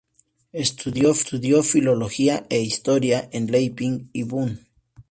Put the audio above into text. Estudió Filología e Historia en Leipzig y Bonn.